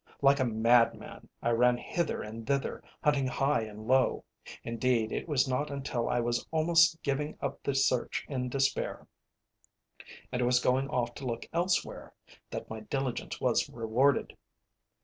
Like a madman I ran hither and thither, hunting high and low: indeed it was not until I was almost giving up the search in despair, and was going off to look elsewhere, that my diligence was rewarded.